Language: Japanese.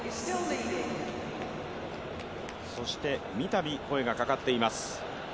三度、声がかかっています。